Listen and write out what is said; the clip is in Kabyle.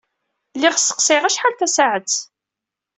Lliɣ sseqsayeɣ acḥal tasaɛet.